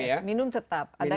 ya minum tetap ya